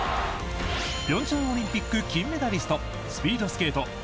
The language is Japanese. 平昌オリンピック金メダリストスピードスケート